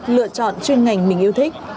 lựa chọn chuyên ngành mình yêu thích